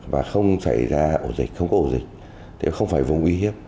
và không xảy ra ổ dịch không có ổ dịch thì không phải vùng uy hiếp